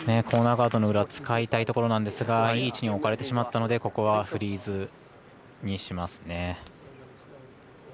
コーナーガードの裏使いたいところなんですがいい位置に置かれてしまったのでここはフリーズにしますね。